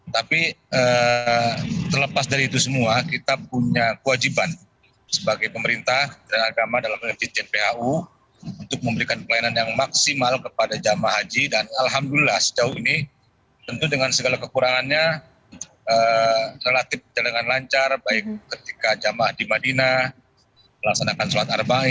tidak bosan bosan untuk mengiklankan jamaah